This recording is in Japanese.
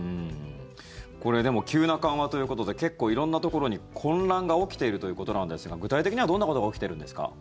これ、でも急な緩和ということで結構色んなところに、混乱が起きているということなんですが具体的にはどんなことが起きているんですか？